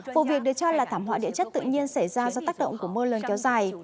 vụ việc được cho là thảm họa địa chất tự nhiên xảy ra do tác động của mưa lớn kéo dài